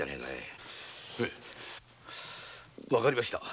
わかりました。